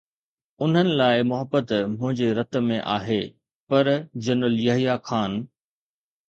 انهن لاءِ محبت منهنجي رت ۾ آهي، پر جنرل يحيٰ خان؟